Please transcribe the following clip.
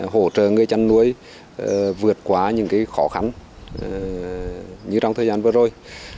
hỗ trợ người chăn nuôi vượt qua những khó khăn như trong thời gian vừa rồi